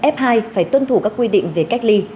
f hai phải tuân thủ các quy định về cách ly